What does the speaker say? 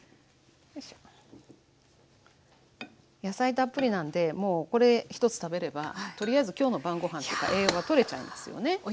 野菜たっぷりなんでもうこれ一つ食べればとりあえず今日の晩ごはんとか栄養がとれちゃいますよね。